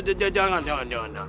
jangan jangan jangan